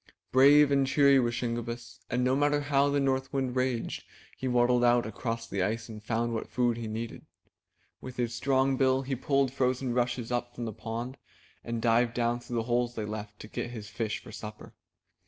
Brave and cheery was Shingebiss, and no matter how the North Wind raged, he waddled out across the ice and found what food he needed. With his strong bill he pulled frozen rushes up from the pond, and dived down through the holes they left, to get his fish for supper.